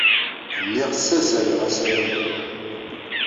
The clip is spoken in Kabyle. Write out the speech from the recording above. Lliɣ ssazzaleɣ asaru-nni.